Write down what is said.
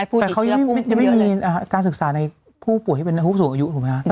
แต่เขายังไม่เยอะในการศึกษาในผู้ป่วยที่เป็นผู้สูงอายุถูกไหมฮะ